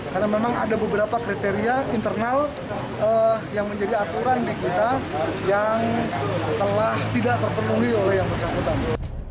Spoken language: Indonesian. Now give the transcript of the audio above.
karena memang ada beberapa kriteria internal yang menjadi aturan di kita yang telah tidak terpenuhi oleh yang bersangkutan